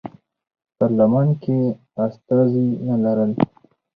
پارلمان کې استازي نه لرل.